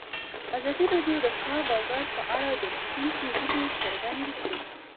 ازادي راډیو د د کار بازار په اړه د راتلونکي هیلې څرګندې کړې.